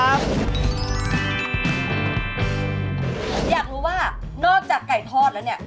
อยากรู้ว่านอกจากไก่ทอดแล้วเนี่ย